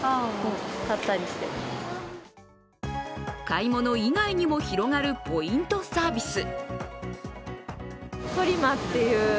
買い物以外にも広がるポイントサービス。